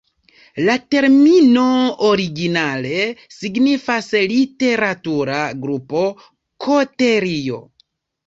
La termino originale signifas "literatura grupo","koterio".